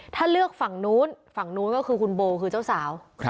ถ้าเลือกฝั่งนู้นฝั่งนู้นก็คือคุณโบคือเจ้าสาว